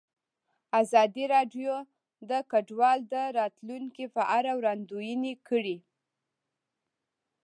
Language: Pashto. ازادي راډیو د کډوال د راتلونکې په اړه وړاندوینې کړې.